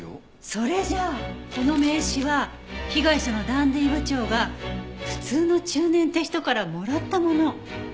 それじゃあこの名刺は被害者のダンディー部長が普通の中年って人からもらったもの。